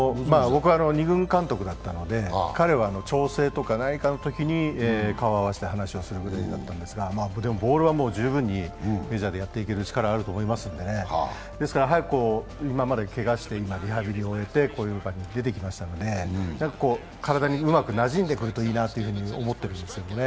僕は２軍監督だったので、彼は調整とか何かのときに顔を合わせて話をするぐらいだったんですがボールは十分にメジャーでやっていけますのでですから、今までけがして、今リハビリを終えてこういう場に出てきましたので、体にうまくなじんでくれるといいなと思っているんですけどね。